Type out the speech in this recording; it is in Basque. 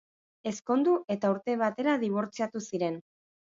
Ezkondu eta urte batera dibortziatu ziren.